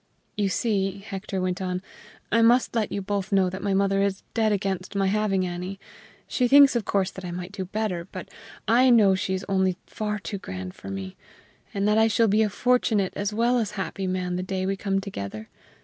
"You see," Hector went on, "I must let you both know that my mother is dead against my having Annie. She thinks, of course, that I might do better; but I know she is only far too good for me, and that I shall be a fortunate as well as happy man the day we come together.